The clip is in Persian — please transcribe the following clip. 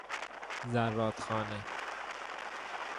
زرادخانه